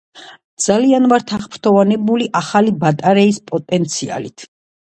ძალიან ვართ აღფრთოვანებული ახალი ბატარეის პოტენციალით.